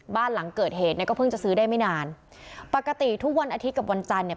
บ้านหลังเกิดเหตุเนี่ยก็เพิ่งจะซื้อได้ไม่นานปกติทุกวันอาทิตย์กับวันจันทร์เนี่ย